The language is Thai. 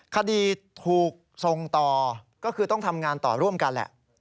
คดีถูกส่งต่อก็คือต้องทำงานต่อร่วมกันแหละ